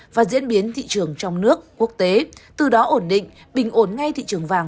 và diễn biến thị trường trong nước quốc tế từ đó ổn định bình ổn ngay thị trường vàng